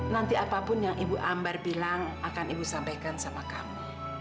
nanti apapun yang ibu ambar bilang akan ibu sampaikan sama kami